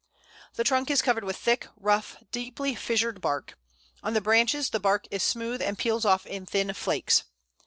The trunk is covered with thick, rough, deeply fissured bark. On the branches the bark is smooth, and peels off in thin flakes.